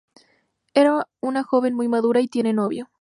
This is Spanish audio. Es una joven muy madura y tiene novio.